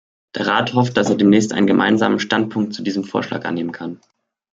Der Rat hofft, dass er demnächst einen Gemeinsamen Standpunkt zu diesem Vorschlag annehmen kann.